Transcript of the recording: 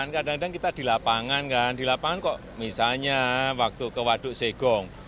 kadang kadang kita di lapangan kan di lapangan kok misalnya waktu ke waduk segong